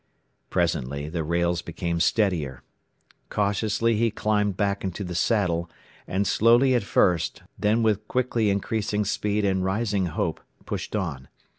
Presently the rails became steadier. Cautiously he climbed back into the saddle, and slowly at first, then with quickly increasing speed and rising hope, pushed on.